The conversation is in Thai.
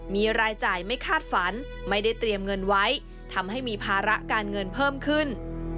มีรายจ่ายไม่คาดฝันไม่ได้เตรียมเงินไว้ทำให้มีภาระการเงินเพิ่มขึ้น